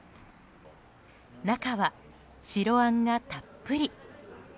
中は白あんがたっぷり。